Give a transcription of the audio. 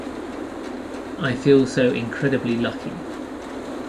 I feel so incredibly lucky.